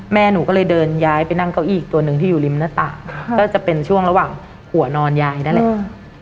แม่หนูก็เลยเดินย้ายไปนั่งเก้าอี้อีกตัวหนึ่งที่อยู่ริมหน้าต่างก็จะเป็นช่วงระหว่างหัวนอนยายนั่นแหละ